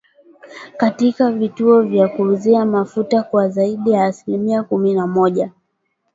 katika vituo vya kuuzia mafuta kwa zaidi ya asilimia kumi na moja